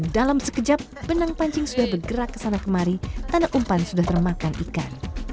dalam sekejap benang pancing sudah bergerak ke sana kemari tanah umpan sudah termakan ikan